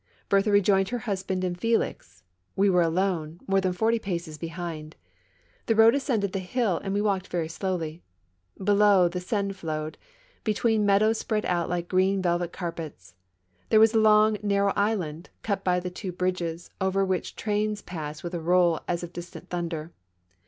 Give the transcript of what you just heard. Berthe rejoined her husband and Felix ; w^e were alone, more than forty paces behind. The road as cended the hill and we walked very slowly. Below, the Seine flowed, between meadows spread out like green velvet carpets. There was a long, narrow island, cut by the two bridges, over which trains'passed with a roll as of distant thunder.